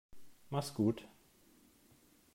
Mach's gut.